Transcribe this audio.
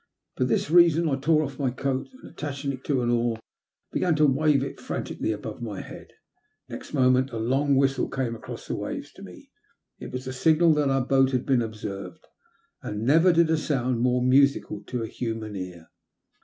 For this reason I tore off my coat, and, attaching it to an oar, began to wave it frantically above my head. Next moment a long whistle came across the waves to me. It was a signal that our boat had been observed, and never did a sound seem more musical to a human ear.